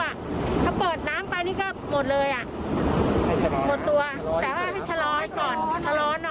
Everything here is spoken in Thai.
ถ้าเปิดน้ำไปนี่ก็หมดเลยหมดตัว